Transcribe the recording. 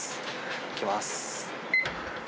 いきます。